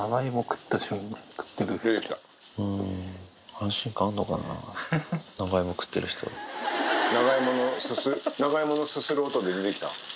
安心感あるのかな、長芋食っ長芋のすする音で出てきたわ。